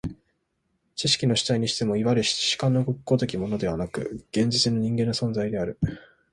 知識の主体にしても、いわゆる主観の如きものでなく、現実の人間の存在である。